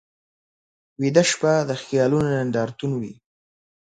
ویده شپه د خیالونو نندارتون وي